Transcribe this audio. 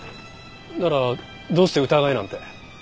ならどうして疑えなんて。